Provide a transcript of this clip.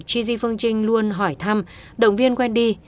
gigi phương trinh luôn hỏi thăm động viên quen đi